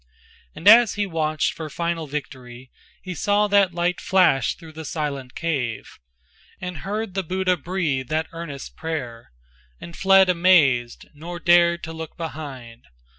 And as he watched for final victory He saw that light flash through the silent cave, And heard the Buddha breathe that earnest prayer, And fled amazed, nor dared to look behind.